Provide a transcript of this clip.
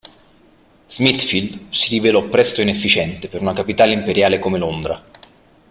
Smithfield si rivelò presto inefficiente per una capitale imperiale come Londra.